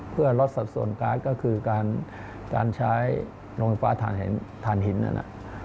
เพื่อลดสัดส่วนการ์ดก็คือการใช้โรงไฟฟ้าฐานหินนั่น